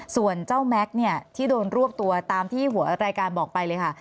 ส่วนเจ้าแม็กซ์เนี่ยที่โดนรวบตัวตามที่หัวรายการบอกไปเลยค่ะ